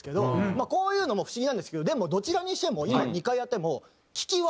まあこういうのも不思議なんですけどでもどちらにしても今２回やっても。